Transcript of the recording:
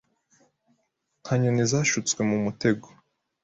Nka nyoni zashutswe mumutego